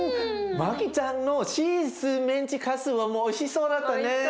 マキちゃんのチーズメンチカツはおいしそうだったね。